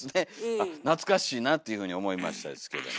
あっ懐かしいなっていうふうに思いましたですけども。